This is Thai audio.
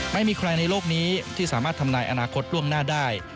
ไม่มีใครในโลกนี้ที่สามารถทำนายอนาคตล่วงหน้าได้